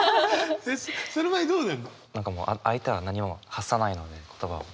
何かもう相手は何も発さないので言葉を。